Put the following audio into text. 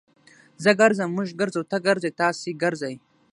زه ګرځم. موږ ګرځو. تۀ ګرځې. تاسي ګرځئ.